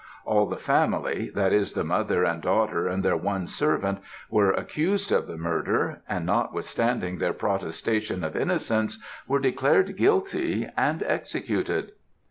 All the family, that is the mother and daughter and their one servant, were accused of the murder; and notwithstanding their protestation of innocence were declared guilty and executed.